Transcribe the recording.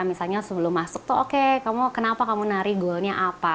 misalnya sebelum masuk tuh oke kamu kenapa kamu nari goalnya apa